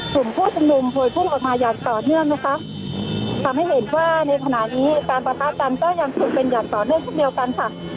คลุมผู้ชนุมสำนวนเท่าใดกับแบตตีน